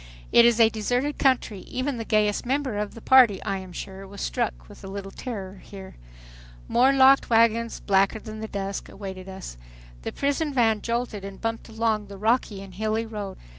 It is a deserted country. Even the gayest member of the party, I am sure, was struck with a little terror here. More locked wagons, blacker than the dusk, awaited us. The prison van jolted and bumped along the rocky and hilly road.